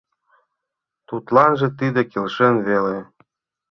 Тудланже тиде келшен веле.